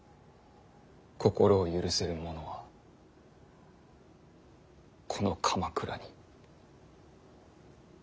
心を許せる者はこの鎌倉におらぬ。